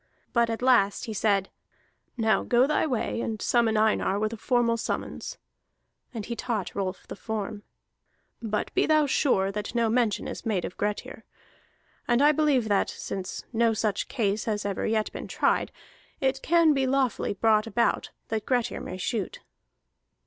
But at last he said: "Now go thy way, and summon Einar with a formal summons. [And he taught Rolf the form.] But be thou sure that no mention is made of Grettir. And I believe that, since no such case has ever yet been tried, it can lawfully be brought about that Grettir may shoot."